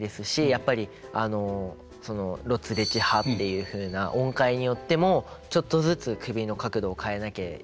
やっぱり「ロツレチハ」っていうふうな音階によってもちょっとずつ首の角度を変えなきゃいけなかったりとか。